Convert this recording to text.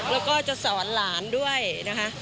แล้วก็จะสอนหลานด้วยนะคะ